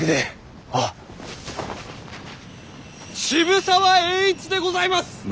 渋沢栄一でございます！